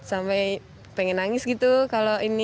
sampai pengen nangis gitu kalau ini